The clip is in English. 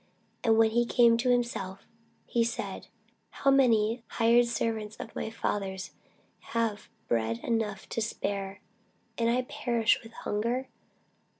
And when he came to himself, he said, How many hired servants of my father's have bread enough and to spare, and I perish with hunger!